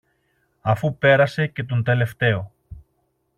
Αφού πέρασε και τον τελευταίο